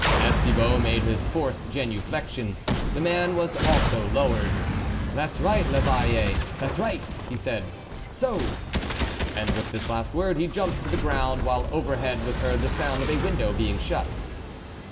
As Thibault made his forced genuflexion, the man was also lowered ;" That's right, I'Eveilli ! that's right! " he said, " So !" and with this last word, he jumped to the ground, while overhead was heard the sound of a window being shut.